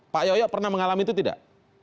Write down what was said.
pak yoyo pernah mengalami itu tidak